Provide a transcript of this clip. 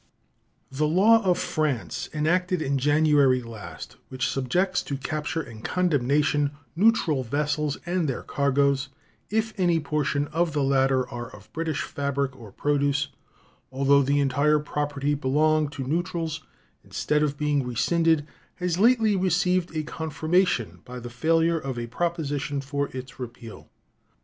The law of France enacted in January last, which subjects to capture and condemnation neutral vessels and their cargoes if any portion of the latter are of British fabric or produce, although the entire property belong to neutrals, instead of being rescinded has lately received a confirmation by the failure of a proposition for its repeal.